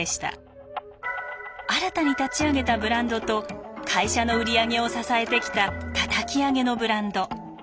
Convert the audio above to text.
新たに立ち上げたブランドと会社の売り上げを支えてきたたたき上げのブランド。